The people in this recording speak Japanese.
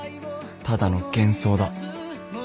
ただの幻想だ